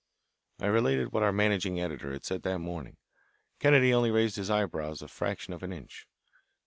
I related what our managing editor had said that morning. Kennedy only raised his eyebrows a fraction of an inch.